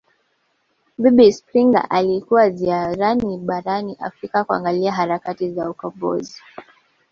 Bibi Springer alikuwa ziarani barani Afrika kuangalia harakati za ukombozi